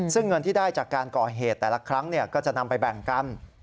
ซึ่งเงินที่ได้จากการก่อเหตุแต่ละครั้งก็จะนำไปแบ่งกัน